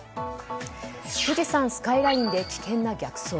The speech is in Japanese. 富士山スカイラインで危険な逆走。